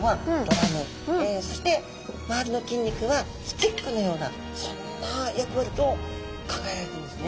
そして周りの筋肉はスティックのようなそんな役割と考えられているんですね。